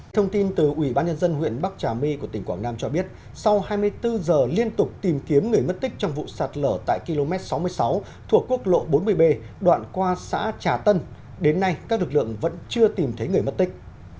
thông tin từ ủy ban nhân dân huyện bắc trà my của tỉnh quảng nam cho biết sau hai mươi bốn giờ liên tục tìm kiếm người mất tích trong vụ sạt lở tại km sáu mươi sáu thuộc quốc lộ bốn mươi b đoạn qua xã trà tân đến nay các lực lượng vẫn chưa tìm thấy người mất tích